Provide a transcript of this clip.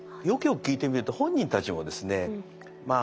よくよく聞いてみると本人たちもですね